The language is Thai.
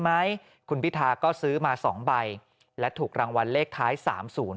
ไหมคุณพิธาก็ซื้อมาสองใบและถูกรางวัลเลขท้ายสามศูนย์